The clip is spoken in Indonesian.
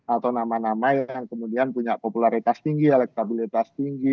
atau nama nama yang kemudian punya popularitas tinggi elektabilitas tinggi